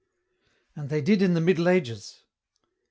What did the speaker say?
"And they did in the Middle Ages."